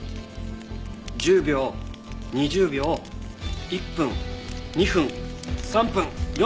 １０秒２０秒１分２分３分４分。